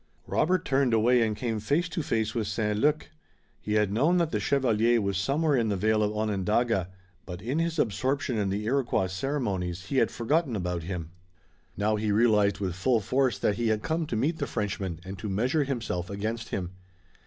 Robert turned away and came face to face with St. Luc. He had known that the chevalier was somewhere in the vale of Onondaga, but in his absorption in the Iroquois ceremonies he had forgotten about him. Now he realized with full force that he had come to meet the Frenchman and to measure himself against him.